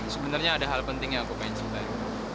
sebenernya ada hal penting yang aku pengen simpan